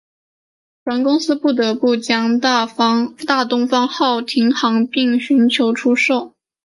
船公司不得不在将大东方号停航并寻求出售。